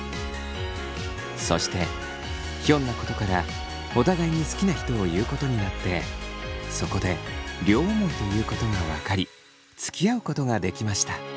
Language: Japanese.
そしてひょんなことからお互いに好きな人を言うことになってそこで両思いということが分かりつきあうことができました。